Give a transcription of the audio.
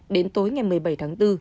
đến tối ngày một mươi bảy tháng bốn